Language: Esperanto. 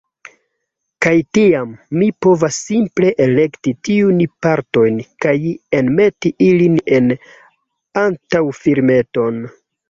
Kaj tiam, mi povas simple elekti tiujn partojn, kaj enmeti ilin en antaŭfilmeton.